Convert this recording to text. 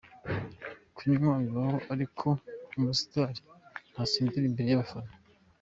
Kunywa bibaho ariko umustar ntasindira imbere yabafana.